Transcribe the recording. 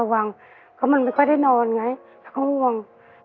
เพราะมันไม่ค่อยได้นอนไงแล้วเขาห่วง